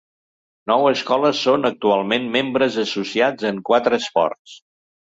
Nou escoles són actualment membres associats en quatre esports.